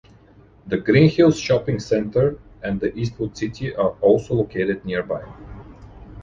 The Greenhills Shopping Center and the Eastwood City are also located nearby.